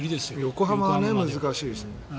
横浜は難しいですね。